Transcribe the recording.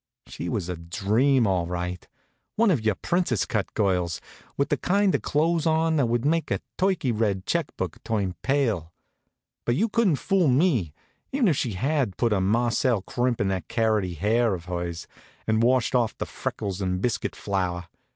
She was a dream, all right one of your princess cut girls, with the kind of clothes on that would make a turkey red check book turn pale. But you couldn't fool me, even if she had put a Marcelle crimp in that carroty hair of hers, and washed off the freckles and biscuit flour.